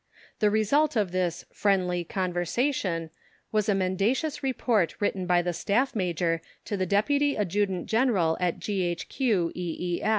The result of this "friendly conversation" was a mendacious report written by the Staff Major to the Deputy Adjutant General at G.H.Q., E.